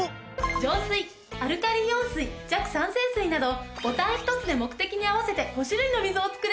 浄水アルカリイオン水弱酸性水などボタンひとつで目的に合わせて５種類の水を作れるの！